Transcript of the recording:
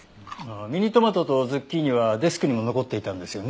ミニトマトとズッキーニはデスクにも残っていたんですよね。